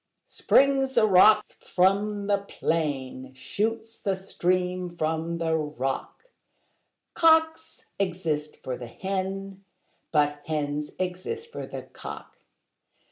Springs the rock from the plain, shoots the stream from the rock: Cocks exist for the hen: but hens exist for the cock.